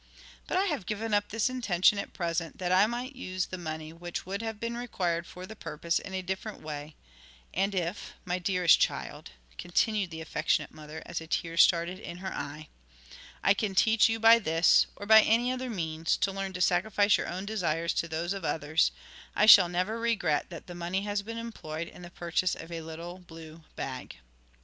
But I have given up this intention at present that I might use the money which would have been required for the purpose in a different way; and if, my dearest child,' continued the affectionate mother, as a tear started into her eye, 'I can teach you by this, or by any other means, to learn to sacrifice your own desires to those of others, I shall never regret that the money has been employed in the purchase of a little blue bag.'